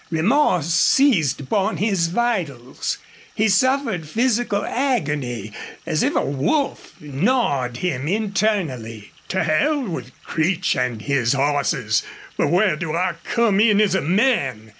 Remorse seized upon his vitals. He suffered physical agony, as if a wolf gnawed him internally. "To hell with Creech an' his hosses, but where do I come in as a man?"